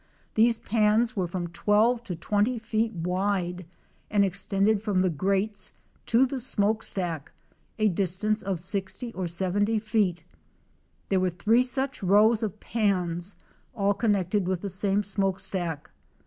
These pans were from 12 to 20 feet wide and extended from the grates to the smoke stack, a distance of 60 or 70 feet. There were three such rows of pans all connected with the same smoke stack.